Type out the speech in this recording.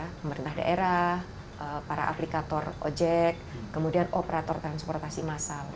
pemerintah daerah para aplikator ojek kemudian operator transportasi massal